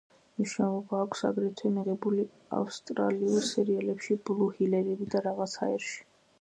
მონაწილეობა აქვს აგრეთვე მიღებული ავსტრალიურ სერიალებში „ბლუ ჰილერები“ და „რაღაც ჰაერში“.